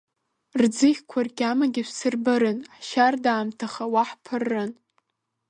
Рӡыхьқәа ргьамагьы шәсырбарын, ҳшьардаамҭаха уа ҳԥыррын.